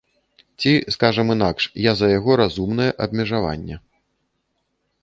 Ці, скажам інакш, я за яго разумнае абмежаванне.